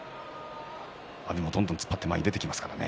阿炎もどんどん突っ張って前に出てきますからね。